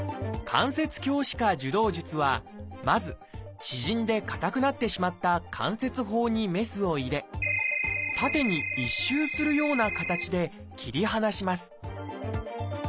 「関節鏡視下授動術」はまず縮んで硬くなってしまった関節包にメスを入れ縦に一周するような形で切り離します